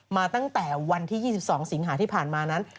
มาตั้งแต่วันที่๒๒สิงหาที่ผ่านมานั้น